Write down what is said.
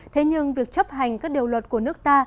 thế nhưng việc chấp hành các điều luật của nước ta